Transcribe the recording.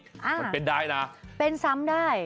มันเป็นได้นะเป็นซ้ำได้